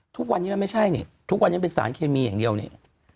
ทุกวันนี้มันไม่ใช่นี่ทุกวันนี้มันเป็นสารเคมีอย่างเดียวนี่